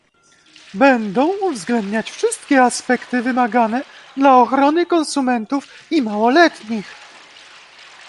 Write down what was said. Będą uwzględniać wszystkie aspekty wymagane dla ochrony konsumentów i małoletnich